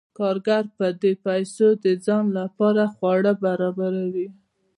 کارګر په دې پیسو د ځان لپاره خواړه برابروي